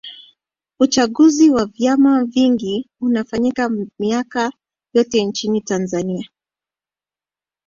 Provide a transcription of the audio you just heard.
uchaguzi wa vyama vingi unafanyika miaka yote nchini tanzania